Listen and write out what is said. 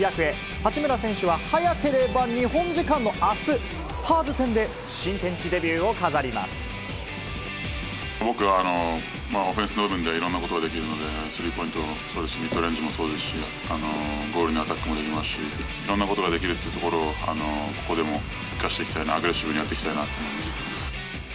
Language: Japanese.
八村選手は早ければ日本時間のあす、スパーズ戦で新天地デビュー僕はオフェンスの部分でいろんなことができるので、スリーポイントもそうですし、ミッドレンジもそうですし、ゴールにアタックもできますし、いろんなことができるというところをここでも生かして、アグレッシブにやっていきたいなと思います。